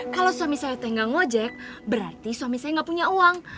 kalo suami saya gak ngojek berarti suami saya gak punya uang